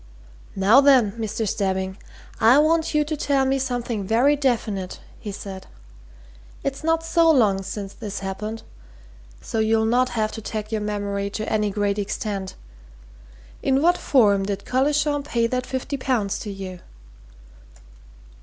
"Now, then, Mr. Stebbing, I want you to tell me something very definite," he said. "It's not so long since this happened, so you'll not have to tag your memory to any great extent. In what form did Collishaw pay that fifty pounds to you?"